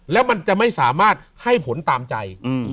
แล้วมันจะไม่สามารถให้ผลตามใจ